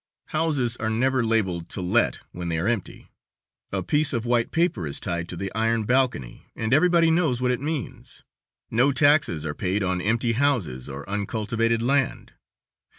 Houses are never labeled "To Let" when they are empty; a piece of white paper is tied to the iron balcony and everybody knows what it means. No taxes are paid on empty houses or uncultivated land.